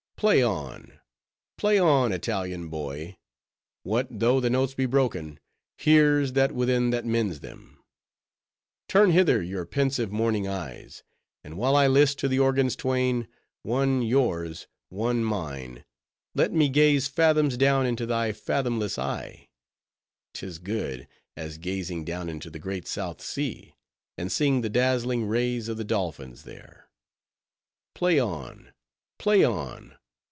Play on, play on, Italian boy! what though the notes be broken, here's that within that mends them. Turn hither your pensive, morning eyes; and while I list to the organs twain— one yours, one mine—let me gaze fathoms down into thy fathomless eye;—'tis good as gazing down into the great South Sea, and seeing the dazzling rays of the dolphins there. Play on, play on!